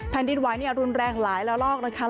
แผ่นดินไว้เนี่ยรุนแรงหลายละลอกนะคะ